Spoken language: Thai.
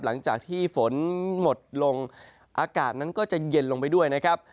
หลังจากที่ฝนหมดลงอากาศนั้นก็จะเย็นลงไปด้วยนะครับ